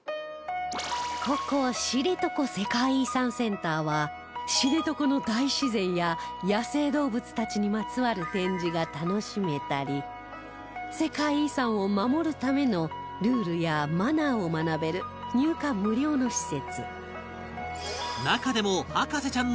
ここ知床世界遺産センターは知床の大自然や野生動物たちにまつわる展示が楽しめたり世界遺産を守るためのルールやマナーを学べる入館無料の施設